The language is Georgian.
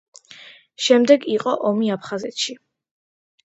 შემდეგ იყო ომი აფხაზეთში.